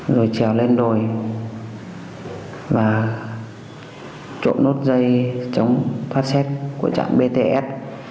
rồi trèo lên đồi và trộm nốt dây chống phát xét của trạm bts